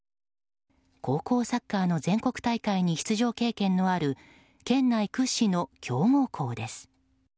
高校サッカーの全国大会に出場経験のある県内屈指の強豪校です。